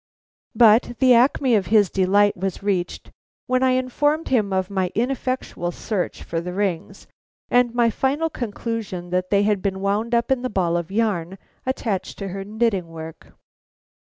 But the acme of his delight was reached when I informed him of my ineffectual search for the rings, and my final conclusion that they had been wound up in the ball of yarn attached to her knitting work.